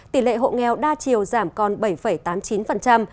tỷ lệ hộ nghèo đa chiều giảm còn bảy tám mươi chín